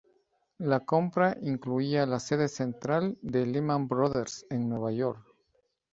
La compra incluía la sede central de Lehman Brothers en Nueva York.